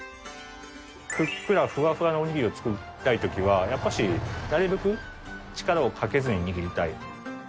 ふっくらフワフワなおにぎりを作りたい時はやっぱしなるべく力をかけずに握りたい。